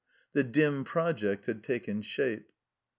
The dim project had taken shape.